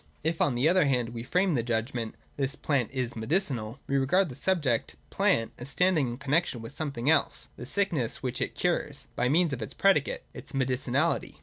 If, on the other hand, we frame the judgment, ' This plant is medicinal,' we regard the subject, plant, as standing in connexion with something else (the sickness which it cures), by means of its predicate (its medicinahty).